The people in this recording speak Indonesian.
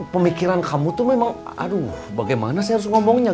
pemikiran kamu tuh memang aduh bagaimana saya harus ngomongnya